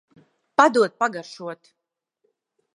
Padod pagaršot.